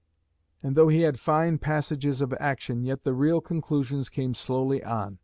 And though he had fine passages of action, yet the real conclusions came slowly on.